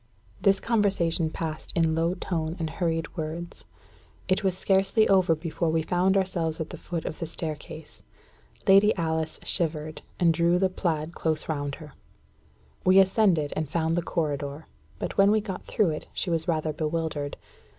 This conversation passed in low tone and hurried words. It was scarcely over before we found ourselves at the foot of the staircase. Lady Alice shivered, and drew the plaid close round her. We ascended, and soon found the corridor; but when we got through it, she was rather bewildered.